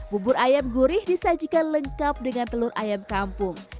bubur ayam gurih disajikan lengkap dengan telur ayam kampung